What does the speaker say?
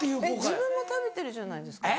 自分も食べてるじゃないですか。